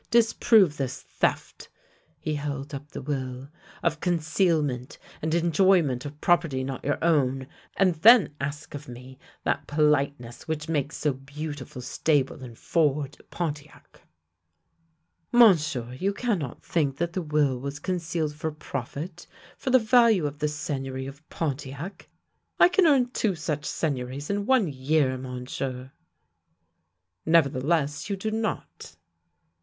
Disprove this theft "— he held up the will —" of concealment, and enjoyment of property not your own, and then ask of me that politeness which makes so beautiful stable and forge at Pontiac." " Monsieur, you cannot think that the will was con cealed for profit, for the value of the Seigneury of Pon tiac! I can earn two such seigneuries in one year, Monsieur." " Nevertheless you do not."